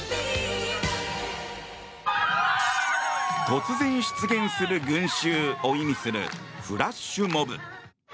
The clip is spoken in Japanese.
突然出現する群衆を意味するフラッシュモブ。